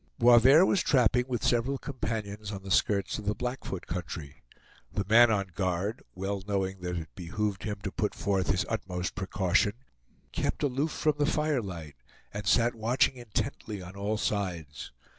Boisverd was trapping with several companions on the skirts of the Blackfoot country. The man on guard, well knowing that it behooved him to put forth his utmost precaution, kept aloof from the firelight, and sat watching intently on all sides.